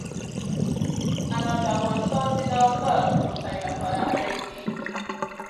انار د افغانستان د دوامداره پرمختګ لپاره اړین دي.